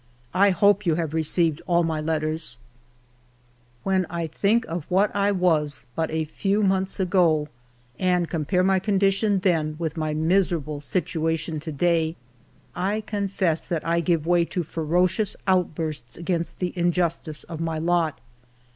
I hope you have received all my letters. ... ALFRED DREYFUS 8i " When I think of what I was but a few months ago, and compare my condition then with my miserable situation to day, I confess that I give way to ferocious outbursts against the injustice of my lot.